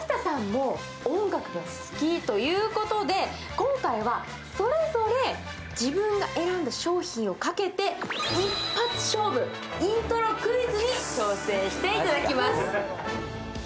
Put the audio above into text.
今回はそれぞれ自分が選んだ商品をかけて、一発勝負イントロクイズに挑戦していただきます。